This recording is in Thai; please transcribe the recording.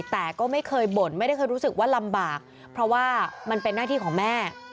แต่ก็ไม่เคยบ่นไม่ได้เคยรู้สึกว่าลำบากเพราะว่ามันเป็นหน้าที่ของแม่